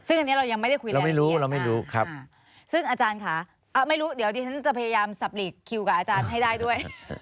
ซึ่งอันนี้เรายังไม่ได้คุยเราไม่รู้เราไม่รู้ครับซึ่งอาจารย์ค่ะไม่รู้เดี๋ยวดิฉันจะพยายามสับหลีกคิวกับอาจารย์ให้ได้ด้วย